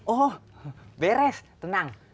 oh beres tenang